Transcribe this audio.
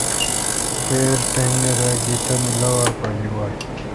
کییر ٹنگ داگی تانی لاوار پا گی واں۔